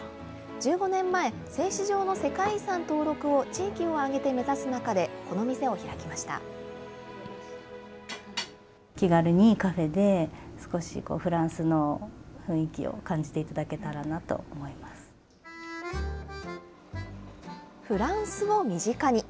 １５年前、製糸場の世界遺産登録を地域を挙げて目指す中で、この店を開きまフランスを身近に。